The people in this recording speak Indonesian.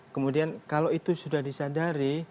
kemudian kalau itu sudah disadari